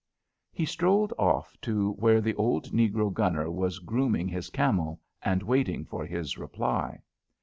He strolled off to where the old negro gunner was grooming his camel and waiting for his reply.